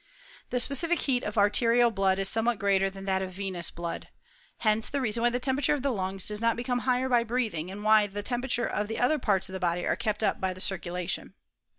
The specific heat of arterial blood is somewhat greater than that of venous blood. Hence the reason why the temperature of the lungs does not become higher by breathing, and why the tempera ture of the other parts of the body are kept up by the circulation.